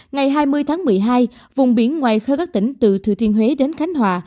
ngày hai mươi tháng một mươi hai vùng biển ngoài khơi các tỉnh từ thừa thiên huế đến khánh hòa